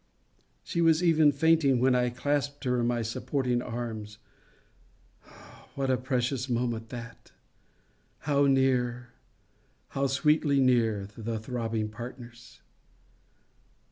She was even fainting, when I clasped her in my supporting arms. What a precious moment that! How near, how sweetly near, the throbbing partners!